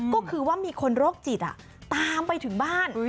ก็คือว่ามีคนโรคจิตตามไปถึงบ้าน